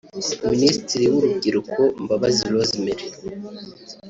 Minisitiri w’Urubyiruko Mbabazi Rosemary